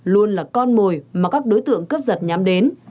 luôn là con mồi mà các đối tượng cướp giật nhắm đến